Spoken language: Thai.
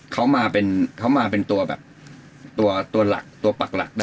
เขามาเป็นตัวแบบตัวหลักตัวปักหลักได้